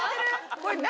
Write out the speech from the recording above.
これ、何？